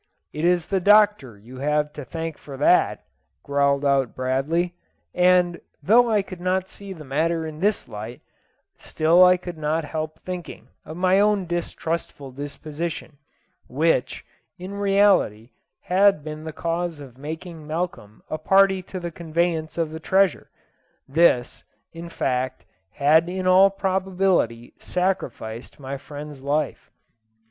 "It is the doctor you have to thank for that," growled out Bradley; and though I could not see the matter in this light, still I could not help thinking of my own distrustful disposition, which, in reality, had been the cause of making Malcolm a party to the conveyance of the treasure; this, in fact, had in all probability sacrificed my friend's life.